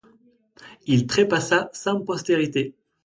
Il trépassa sans postérité.